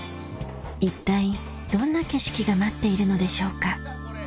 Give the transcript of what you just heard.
一体どんな景色が待っているのでしょうか？